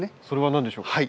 それは何でしょう？